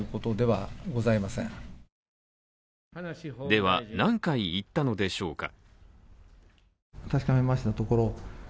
では、何回言ったのでしょうか。